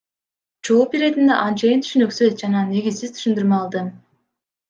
Жооп иретинде анчейин түшүнүксүз жана негизсиз түшүндүрмө алдым.